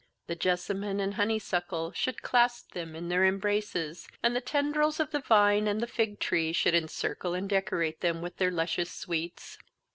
The jessamine and honey suckle should clasp them in their embraces, and the tendrils of the vine and the fig tree should encircle and decorate them with their luscious sweets.